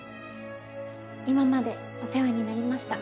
今までお世話になりました。